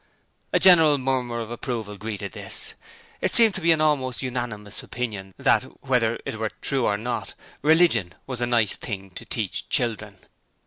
A general murmur of approval greeted this. It seemed to be the almost unanimous opinion, that, whether it were true or not, 'religion' was a nice thing to teach children.